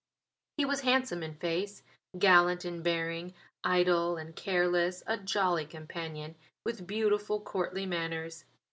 He was handsome in face, gallant in bearing, idle and careless; a jolly companion, with beautiful courtly manners.